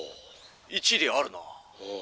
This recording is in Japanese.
「一理あるな」。